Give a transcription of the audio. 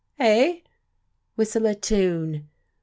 "Eh?" "Whistle a tune."